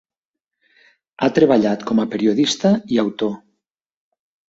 Ha treballat com a periodista i autor.